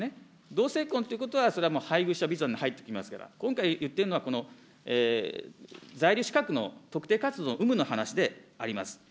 同性婚ということは、それはもう配偶者ビザに入ってきますから、今回言っているのは、この在留資格の特定活動の有無の話であります